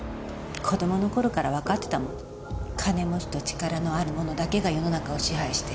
「子供の頃からわかってたもの」「金持ちと力のある者だけが世の中を支配して」